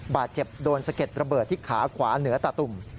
บาดเจ็บโดนสะเก็ดระเบิดที่ขาขวาเหนือตาตุ่ม